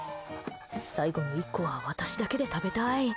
最後の１個は私だけで食べたい。